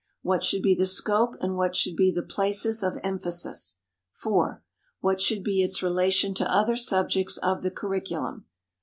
What should be the scope and what should be the places of emphasis? 4. What should be its relation to other subjects of the curriculum?